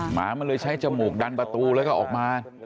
หมามันเลยใช้จมูกดันประตูแล้วก็ออกมา